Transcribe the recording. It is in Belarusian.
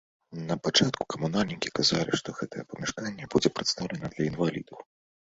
На пачатку камунальнікі казалі, што гэтае памяшканне будзе прадстаўлена для інвалідаў.